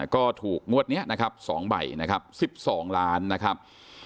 ก็ถูกมวดนี้๒ใบ๑๒ล้านบาท